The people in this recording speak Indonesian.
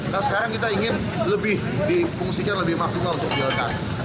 nah sekarang kita ingin lebih dipungsikan lebih maksimal untuk jalan ganti